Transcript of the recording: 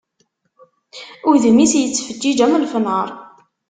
Udem-is yettfeǧǧiǧ am lefnar.